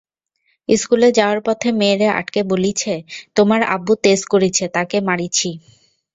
স্কুলে যাওয়ার পথে মেয়েরে আটকে বলিছে, তোমার আব্বু তেজ করিছে তাকে মারিছি।